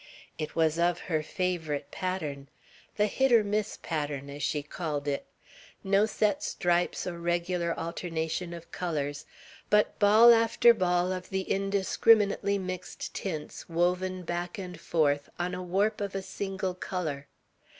It was of her favorite pattern, the "hit er miss" pattern, as she called it; no set stripes or regular alternation of colors, but ball after ball of the indiscriminately mixed tints, woven back and forth, on a warp of a single color.